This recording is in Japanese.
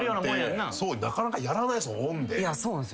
なかなかやらないっすもんオンで。